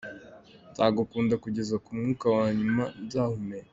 Nzagukunda kugeza ku mwuka wa nyuma nzahumeka”.